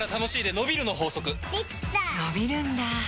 のびるんだ